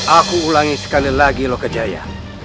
aku ulangi sekali lagi loh kejaya